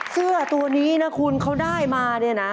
เสื้อตัวนี้นะคุณเขาได้มาเนี่ยนะ